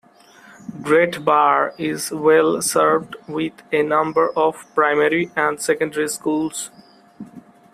Great Barr is well served with a number of primary and secondary schools.